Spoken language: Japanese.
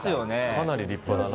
かなり立派です。